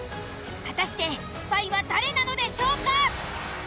果たしてスパイは誰なのでしょうか？